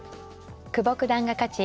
久保九段が勝ち